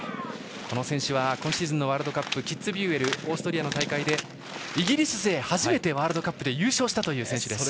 この選手は今シーズンのワールドカップオーストリアの大会でイギリス勢で初めてワールドカップで優勝したという選手。